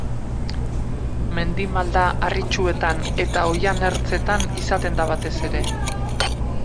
Mendi-malda harritsuetan eta oihan ertzetan izaten da batez ere.